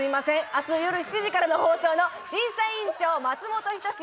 明日夜７時から放送の「審査員長・松本人志」。